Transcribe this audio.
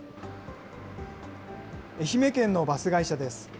愛媛県のバス会社です。